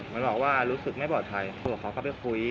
มันบอกว่ารู้สึกไม่ปลอดภัยครูเขาก็ไปคุย